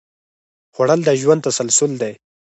خوړل د ژوند تسلسل دی